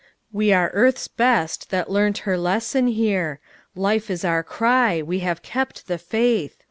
"We are Earth's best, that learnt her lesson here. Life is our cry. We have kept the faith!"